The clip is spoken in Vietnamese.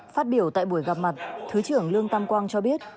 phát biểu tại buổi gặp mặt thứ trưởng lương tam quang cho biết